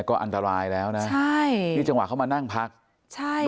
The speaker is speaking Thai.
ก็อันตรายแล้วนะใช่นี่จังหวะเขามานั่งพักใช่